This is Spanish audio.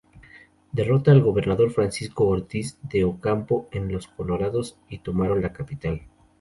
Derrotaron al gobernador Francisco Ortiz de Ocampo en Los Colorados y tomaron la capital.